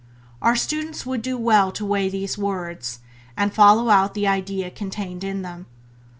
Our students would do well to weigh these words, and follow out the idea contained in them.